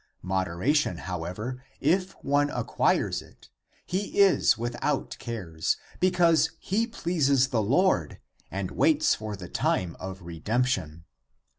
< Moderation, however > if one acquires it, he is without cares, because he pleases the Lord and waits for the time of redemp tion.